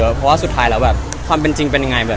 เพราะว่าสุดท้ายแล้วแบบความเป็นจริงเป็นยังไงแบบ